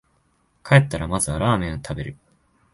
帰ったらまずはラーメン食べる